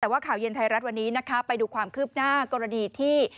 แต่ว่าข่าวเย็นไทยรัฐวันนี้นะคะไปดูความคืบหน้ากรณีที่